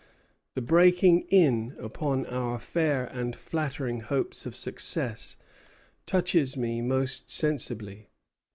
The breaking in upon our fair and flattering hopes of success touches me most sensibly.